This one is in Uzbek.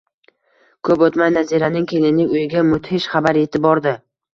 Ko`p o`tmay Naziraning kelinlik uyiga mudhish xabar etib bordi